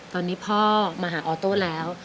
ตอนนี้พ่อมาหาออโต้แล้ว